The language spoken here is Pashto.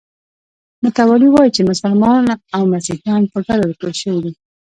متوالي وایي چې مسلمانان او مسیحیان په ګډه راټول شوي دي.